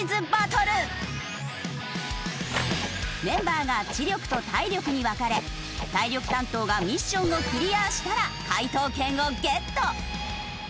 メンバーが知力と体力に分かれ体力担当がミッションをクリアしたら解答権をゲット。